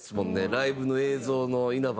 ライブの映像の稲葉さんが。